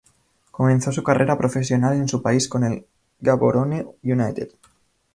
Comenzó su carrera profesional en su país con el Gaborone United.